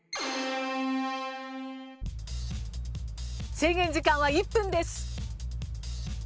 制限時間は１分です。